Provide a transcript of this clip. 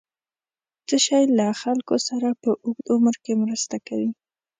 څه شی له خلکو سره په اوږد عمر کې مرسته کوي؟